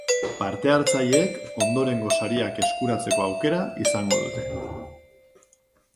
Parte hartzaileek ondorengo sariak eskuratzeko aukera izango dute.